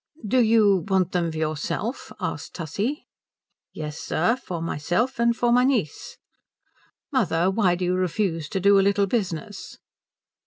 "Do you want them for yourself?" asked Tussie. "Yes, sir, for myself and for my niece." "Mother, why do you refuse to do a little business?"